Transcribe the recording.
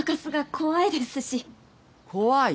怖い？